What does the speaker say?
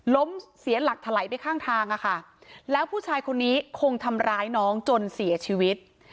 ล้มเสียหลักถลายไปข้างทางอะค่ะแล้วผู้ชายคนนี้คงทำร้ายน้องจนเสียชีวิต